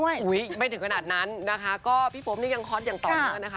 ไม่ถึงขนาดนั้นนะคะก็พี่โป๊มนี่ยังฮอตอย่างต่อเนื่องนะคะ